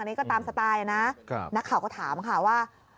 อันนี้ก็ตามสไตล์นะนักข่าวก็ถามค่ะว่า